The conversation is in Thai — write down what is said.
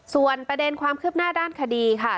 ส่วนประเด็นความคืบหน้าด้านคดีค่ะ